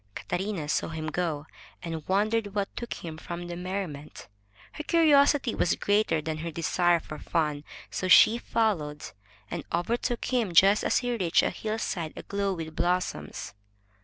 Catarina saw him go, and wondered what took him from the merriment. Her curiosity was greater than her desire for fun, so she followed, and overtook him just as he reached a hillside aglow with blossoms.